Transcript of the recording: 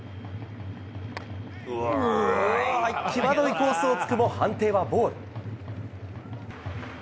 際どいコースを突くも判定はボール。